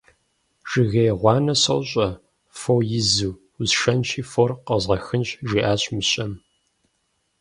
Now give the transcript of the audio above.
Жыгей гъуанэ сощӀэ, фо изу, усшэнщи, фор къозгъэхынщ, - жиӀащ мыщэм.